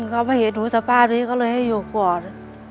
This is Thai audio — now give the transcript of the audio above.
เขามาเห็นหนูสภาพนี้ก็เลยให้อยู่ก่อน